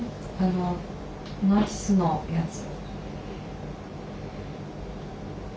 ナチスのやつ。